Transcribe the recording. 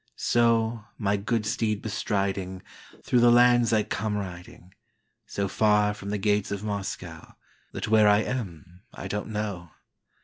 So, my good steed bestriding, Through the lands I come riding, So far from the gates of MoscowThat where I am I don't know.